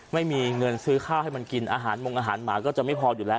ไม่มีเงินซื้อข้าวให้มันกินอาหารมงอาหารหมาก็จะไม่พออยู่แล้ว